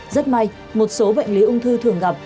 rất may một số bệnh lý ung thư thường gặp